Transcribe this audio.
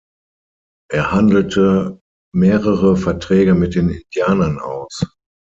Er handelte mehrere Verträge mit den Indianern aus.